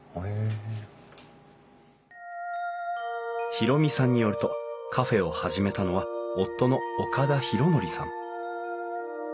宏美さんによるとカフェを始めたのは夫の岡田浩典さん。